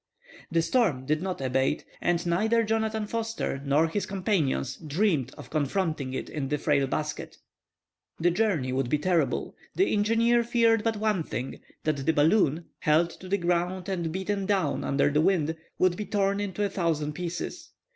The storm did not abate. And neither Jonathan Forster nor his companion dreamed of confronting it in that frail basket. The journey would be terrible. The engineer feared but one thing; that the balloon, held to the ground and beaten down under the wind, would be torn into a thousand pieces.